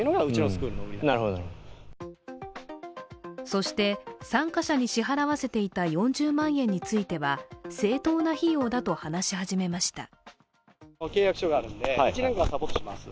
そして参加者に支払わせていた４０万円については正当な費用だと話し始めました。